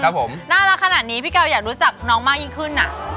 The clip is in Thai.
น่ารักขนาดนี้พี่กาวอยากรู้จักน้องมากยิ่งขึ้นอ่ะ